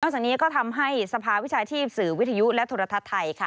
จากนี้ก็ทำให้สภาวิชาชีพสื่อวิทยุและโทรทัศน์ไทยค่ะ